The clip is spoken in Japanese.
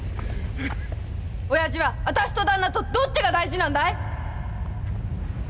親父は私と旦那どっちが大事なんだい！